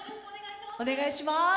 お願いします。